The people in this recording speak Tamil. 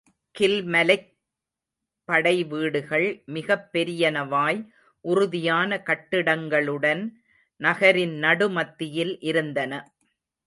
கில்மலைக் படை வீடுகள் மிகப்பெரியனவாய், உறுதியான கட்டிடங்களுடன் நகரின் நடுமத்தியில் இருந்தன.